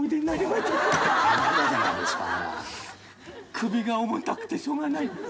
首が重たくてしょうがないんです。